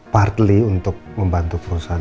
partly untuk membantu perusahaan